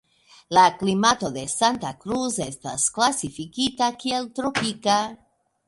La klimato de Santa Cruz estas klasifikita kiel tropika.